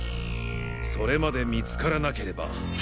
それまで見つからなければ。